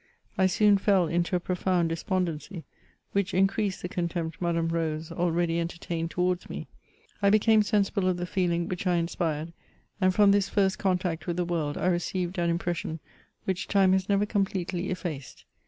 I soon fell into a profound despondency, which increased the contempt Madame Rose already entertMned towards me. I became seunble of the feeling which I inspired, and from this first contact with the world I received an impression which time has never completely effaced.